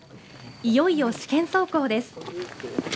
いよいよ試験走行です。